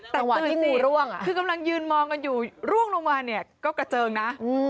แต่เตรียมสิกำลังยืน่วางกรุ่งลงมาก็กระเจิงนะ